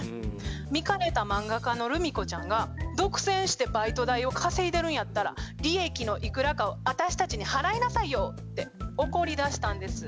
見かねた漫画家のルミコちゃんが「独占してバイト代を稼いでるんやったら利益のいくらか私たちに払いなさいよ」って怒りだしたんです。